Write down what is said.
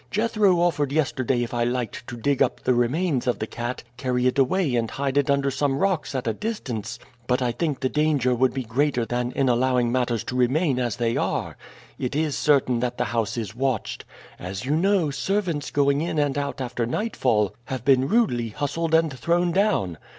Jethro offered yesterday if I liked to dig up the remains of the cat, carry it away and hide it under some rocks at a distance, but I think the danger would be greater than in allowing matters to remain as they are. It is certain that the house is watched. As you know, servants going in and out after nightfall have been rudely hustled and thrown down.